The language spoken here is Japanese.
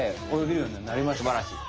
すばらしい！